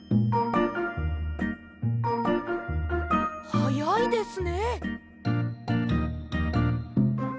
はやいですね。